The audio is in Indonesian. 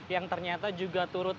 yang ternyata juga turut